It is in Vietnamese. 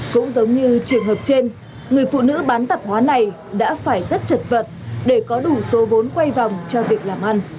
cũng giống như trường hợp trên người phụ nữ bán tạp hóa này đã phải rất chật vật để có đủ số vốn quay vòng cho việc làm ăn